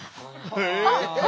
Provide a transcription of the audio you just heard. えっ！